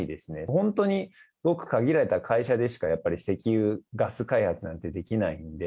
本当にごくかぎられた会社でしかやっぱり石油・ガス開発ってできないんで。